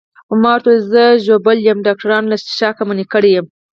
ما ورته وویل زه ژوبل یم، ډاکټرانو له څښاکه منع کړی یم.